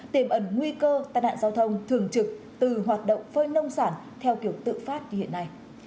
tiềm ẩn nguy cơ tai nạn giao thông thường trực từ hoạt động phơi nông sản theo kiểu tự phát như hiện nay